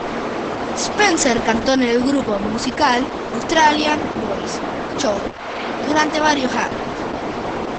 Spencer cantó en el grupo musical "Australian Boys Choir" durante varios años.